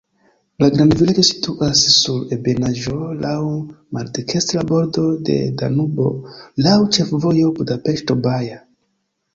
La grandvilaĝo situas sur ebenaĵo, laŭ maldekstra bordo de Danubo, laŭ ĉefvojo Budapeŝto-Baja.